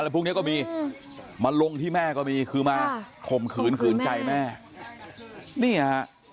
พวกนี้ก็มีมาลงที่แม่ก็มีคือมาข่มขืนขืนใจแม่นี่ฮะ